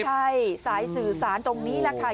ใช่สายสื่อสารตรงนี้แหละค่ะ